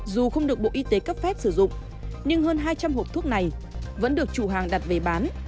dù không được bộ y tế cấp phép sử dụng nhưng hơn hai trăm linh hộp thuốc này vẫn được chủ hàng đặt về bán